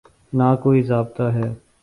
نہ کوئی ضابطہ ہے۔